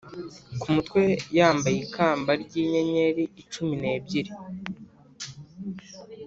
ku mutwe yambaye ikamba ry’inyenyeri cumi n’ebyiri,